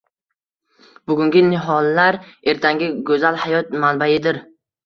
bugungi nihollar – ertangi go‘zal hayot manbaidirng